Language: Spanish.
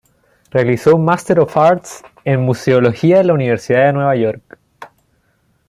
Realizó un Master of Arts en Museología en la Universidad de Nueva York.